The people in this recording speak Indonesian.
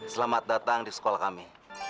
selamat datang di sekolah kami